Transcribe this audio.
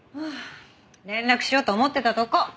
あ連絡しようと思ってたとこ。